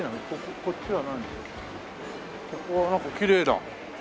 ここはなんかきれいな。